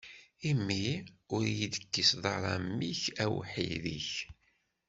Imi ur yi-tekkiseḍ ara mmi-k, awḥid-ik.